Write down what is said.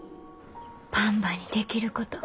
ばんばにできること。